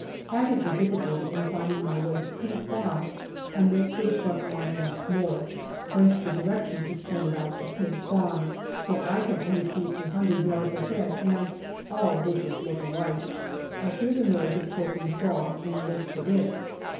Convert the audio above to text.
Having a difficulty in finding my way to Pink Farm, I make for the front line once more, whence the direction is pointed out to Pink Farm, for I can only 56 GALLIPOLI DIARY see a hundred yards ahead and all bushes look alike. I hear the noise of croaking frogs and make for it.